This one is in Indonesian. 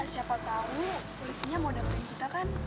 siapa tahu polisinya mau dapetin kita kan